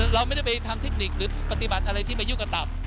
เราไม่ได้ไปทำเทคนิคหรือปฏิบัติอะไรที่ไปยุ่งกับตับ